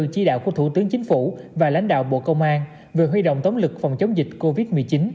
chỉ đạo của thủ tướng chính phủ và lãnh đạo bộ công an về huy động tống lực phòng chống dịch covid một mươi chín